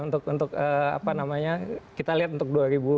untuk apa namanya kita lihat untuk dua ribu